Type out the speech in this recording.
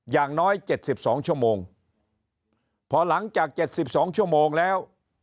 อย่างน้อย๗๒ชั่วโมงพอหลังจาก๗๒ชั่วโมงแล้ว